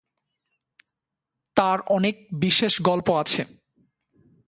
তাঁর অনেক বিশেষ গল্প আছে।